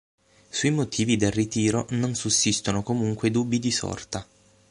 Sui motivi del ritiro non sussistono comunque dubbi di sorta.